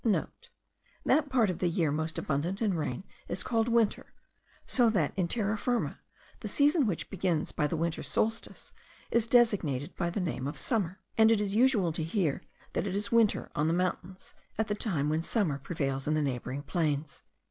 *(* That part of the year most abundant in rain is called winter; so that in Terra Firma, the season which begins by the winter solstice, is designated by the name of summer; and it is usual to hear, that it is winter on the mountains, at the time when summer prevails in the neighbouring plains.)